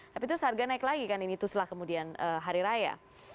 tapi terus harga naik lagi kan ini teruslah kemudian hari raya